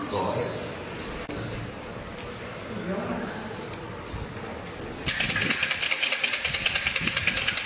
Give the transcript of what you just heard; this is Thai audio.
ก่อเนี้ย